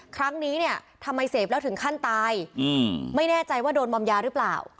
ครั้งนี้เนี่ยทำไมเสพแล้วถึงขั้นตายไม่แน่ใจว่าโดนมอมยาหรือเปล่า